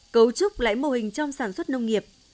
cấu trúc lại mô hình trong sản xuất nông nghiệp